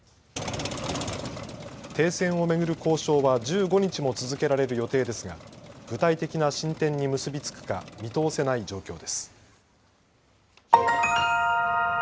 停戦を巡る交渉は１５日も続けられる予定ですが具体的な進展に結び付くか見通せない状況です。